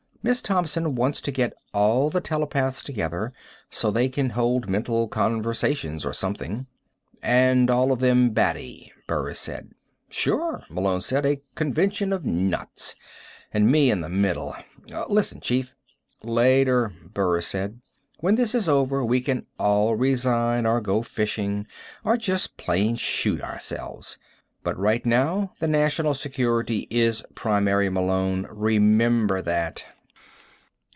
Miss Thompson wants to get all the telepaths together, so they can hold mental conversations or something." "And all of them batty," Burris said. "Sure," Malone said. "A convention of nuts and me in the middle. Listen, chief " "Later," Burris said. "When this is over we can all resign, or go fishing, or just plain shoot ourselves. But right now the national security is primary, Malone. Remember that."